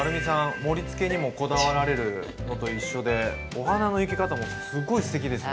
盛りつけにもこだわられるのと一緒でお花の生け方もすごいすてきですね。